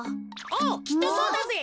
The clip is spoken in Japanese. おうきっとそうだぜ。